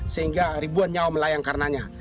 sehingga ribuan nyawa melayang karenanya